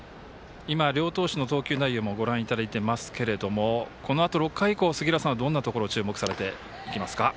両投手の投球内容をご覧いただいていますがこのあと６回以降杉浦さんはどんなところを注目されていきますか。